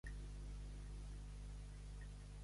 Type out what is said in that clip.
Bon veïnat fa tenir a l'hom descuidat.